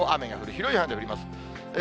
広い範囲で降ります。